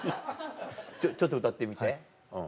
ちょっと歌ってみてうん。